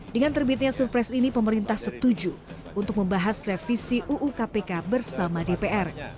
dengan terbitnya surpres ini pemerintah setuju untuk membahas revisi uu kpk bersama dpr